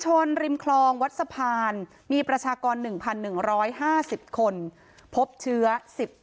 ชุมชนแฟลต๓๐๐๐๐มีประชากร๓๐๐๐๐คนพบเชื้อ๓๐๐๐๐คนพบเชื้อ๓๐๐๐๐คน